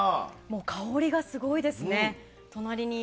香りがすごいですね。